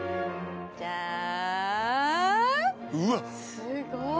すごい。